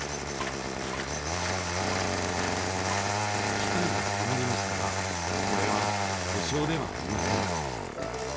機械が止まりましたがこれは故障ではありません。